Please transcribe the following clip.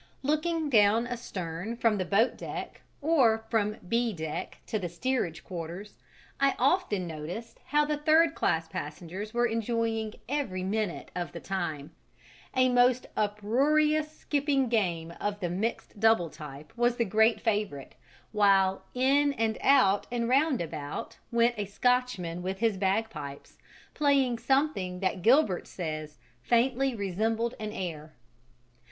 Looking down astern from the boat deck or from B deck to the steerage quarters, I often noticed how the third class passengers were enjoying every minute of the time: a most uproarious skipping game of the mixed double type was the great favourite, while "in and out and roundabout" went a Scotchman with his bagpipes playing something that Gilbert says "faintly resembled an air."